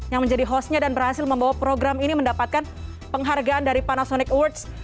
yang menjadi hostnya dan berhasil membawa program ini mendapatkan penghargaan dari panasonic awards